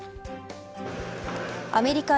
アメリカ